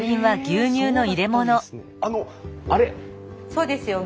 そうですよ